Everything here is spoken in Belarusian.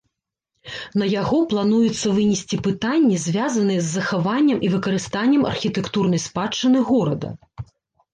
На яго плануецца вынесці пытанні, звязаныя з захаваннем і выкарыстаннем архітэктурнай спадчыны горада.